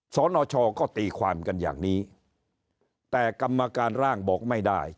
สนชก็ตีความกันอย่างนี้แต่กรรมการร่างบอกไม่ได้